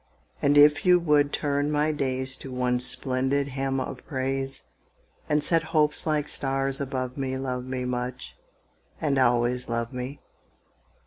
And if you would turn my days To one splendid hymn of praise, And set hopes like stars above me Love me much, and always love me!